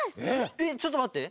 えっちょっとまって。